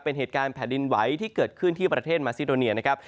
เป็นเหตุการณ์แผ่นดินไหวที่เกิดขึ้นที่ประเทศมาซิโดเนียนะครับ